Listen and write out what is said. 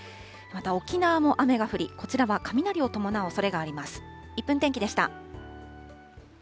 また沖縄も雨が降り、こちらは雷を伴うおそれがあります。